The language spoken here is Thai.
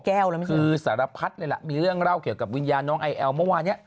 คือสารพัดเลยล่ะมีเรื่องเล่าเกี่ยวกับวิญญาณน้องไอแอลเมื่อวานเนี้ย